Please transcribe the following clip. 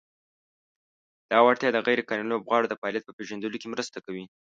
دا وړتیا د "غیر قانوني لوبغاړو د فعالیت" په پېژندلو کې مرسته کوي.